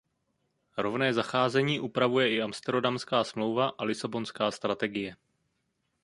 Rovné zacházení upravuje i Amsterodamská smlouva a Lisabonská strategie.